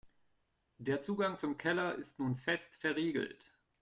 Der Zugang zum Keller ist nun fest verriegelt.